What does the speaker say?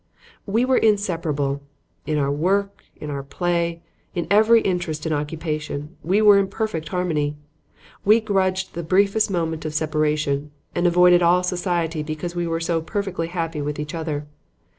We were inseparable. In our work, in our play, in every interest and occupation, we were in perfect harmony. We grudged the briefest moment of separation and avoided all society because we were so perfectly happy with each other.